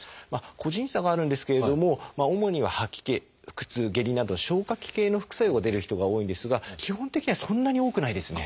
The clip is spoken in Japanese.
個人差があるんですけれども主には吐き気腹痛下痢など消化器系の副作用が出る人が多いんですが基本的にはそんなに多くないですね。